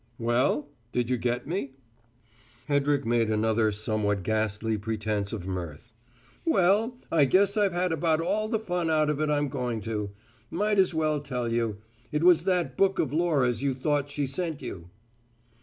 "Well? Did you get me?" Hedrick made another somewhat ghastly pretence of mirth. "Well, I guess I've had about all the fun out of it I'm going to. Might as well tell you. It was that book of Laura's you thought she sent you."